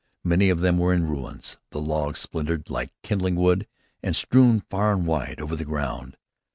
Many of them were in ruins, the logs splintered like kindling wood and strewn far and wide over the ground.